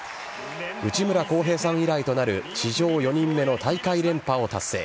内村航平さん以来となる史上４人目の大会連覇を達成。